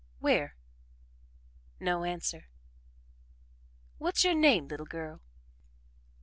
"Where?" No answer. "What's your name, little girl?"